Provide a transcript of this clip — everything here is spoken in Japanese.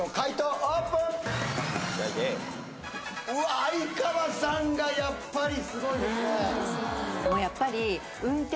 オープンうわっ相川さんがやっぱりすごいですね